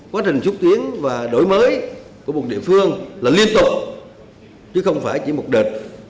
quá trình xúc tiến và đổi mới của một địa phương là liên tục chứ không phải chỉ một đợt